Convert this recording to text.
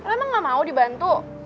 emang lo ga mau dibantu